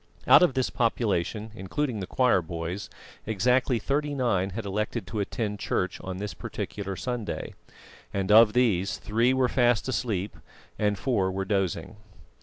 Out of this population, including the choir boys, exactly thirty nine had elected to attend church on this particular Sunday; and of these, three were fast asleep and four were dozing.